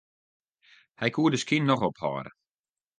Hy koe de skyn noch ophâlde.